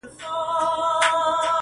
• دواړي سترګي یې تړلي وې روان وو ,